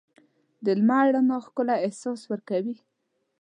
د لمر رڼا ښکلی احساس ورکوي.